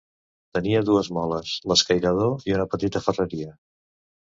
Tenia dues moles, l'escairador i una petita ferreria.